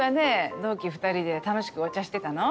同期２人で楽しくお茶してたの？